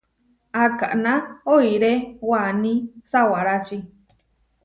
Akaná oiré waní sawárači.